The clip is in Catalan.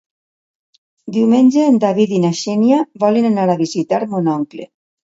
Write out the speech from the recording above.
Diumenge en David i na Xènia volen anar a visitar mon oncle.